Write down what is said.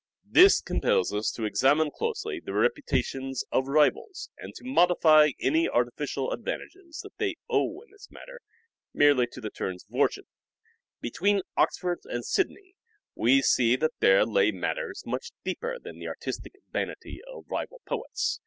This compels us to examine closely the reputations of rivals and to modify any artifical advantages that they owe in this matter merely to the turns of fortune. Between Oxford and Sidney we see that there lay matters much deeper than the artistic vanity of rival poets.